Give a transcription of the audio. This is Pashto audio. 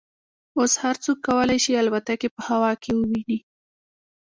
اوس هر څوک کولای شي الوتکې په هوا کې وویني